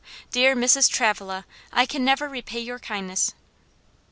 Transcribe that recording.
dear Mrs. Travilla; I can never repay your kindness."